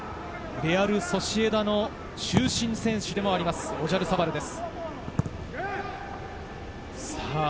レアル・ソシエダの中心選手でもありますオジャルサバルです。